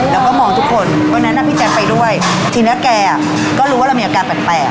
แล้วก็มองทุกคนวันนั้นพี่แจ๊คไปด้วยทีนี้แกก็รู้ว่าเรามีอาการแปลก